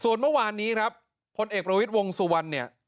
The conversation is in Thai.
ส่วนเมื่อวานนี้ครับพลเอกประวิทย์วงสุวรรณเนี่ย